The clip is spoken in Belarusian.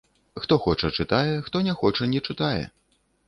Хто хоча чытае хто не хоча не чытае.